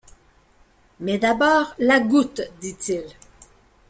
Mais d’abord la goutte! dit-il.